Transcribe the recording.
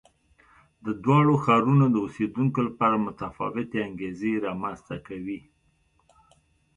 د دواړو ښارونو د اوسېدونکو لپاره متفاوتې انګېزې رامنځته کوي.